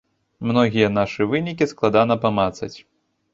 Многія нашы вынікі складана памацаць.